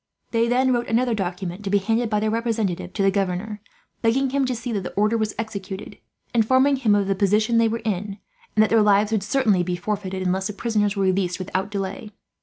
They then wrote another document, to be handed by their representative to the governor, begging him to see that the order was executed, informing him of the position they were in, and that their lives would certainly be forfeited, unless the prisoners were released without delay.